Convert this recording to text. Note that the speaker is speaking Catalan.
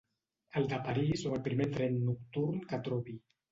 El de París o el primer tren nocturn que trobi.